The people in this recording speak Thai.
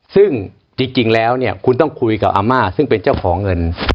ซึ่งจริงแล้วเนี่ยคุณต้องคุยกับอาม่าซึ่งเป็นเจ้าของเงิน